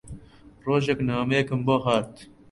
ڕۆژێک نامەیەکم بۆ هات